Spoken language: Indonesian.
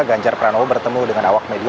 ganjar pranowo bertemu dengan awak media